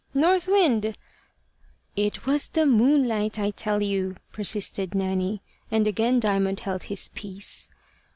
"North Wind " "It was the moonlight, I tell you," persisted Nanny, and again Diamond held his peace.